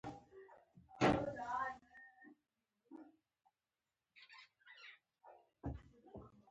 دا حرام نمکه زما مالونو ته تلکه ږدي.